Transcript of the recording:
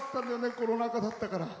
コロナ禍だったから。